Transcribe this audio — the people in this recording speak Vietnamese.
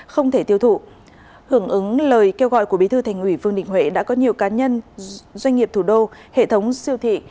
không thể tiêu thụ hưởng ứng lời kêu gọi của bí thư thành ủy vương đình huệ đã có nhiều cá nhân doanh nghiệp thủ đô hệ thống siêu thị